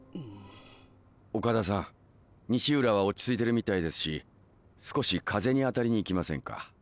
岡田さん西浦は落ち着いてるみたいですし少し風に当たりに行きませんか？